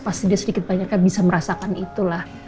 pasti dia sedikit banyaknya bisa merasakan itulah